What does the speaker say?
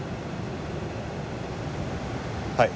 はい。